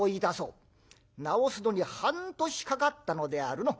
治すのに半年かかったのであるのう。